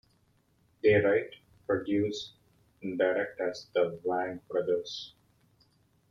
They write, produce, and direct as the The Wang Brothers.